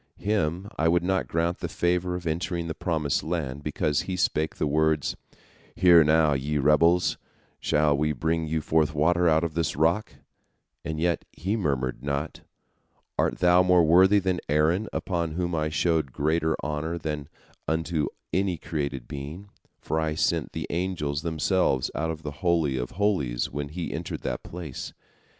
Him I would not grant the favor of entering the promised land, because he spake the words, 'Hear now, ye rebels; shall we bring you forth water out of this rock?' And yet he murmured not. Art thou more worthy than Aaron, unto whom I showed greater honor than unto any created being, for I sent the angels themselves out of the Holy of Holies when he entered the place?